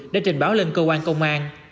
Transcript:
đã trình báo lên cơ quan công an